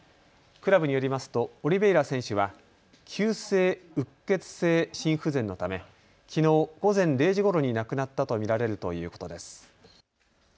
クラブによりますとオリベイラ選手は急性うっ血性心不全のためきのう午前０時ごろに亡くなったと見られるということです。